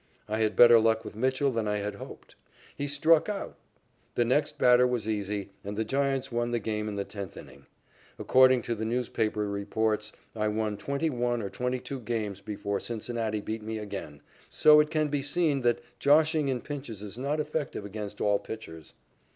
I had better luck with Mitchell than I had hoped. He struck out. The next batter was easy, and the Giants won the game in the tenth inning. According to the newspaper reports, I won twenty one or twenty two games before Cincinnati beat me again, so it can be seen that joshing in pinches is not effective against all pitchers.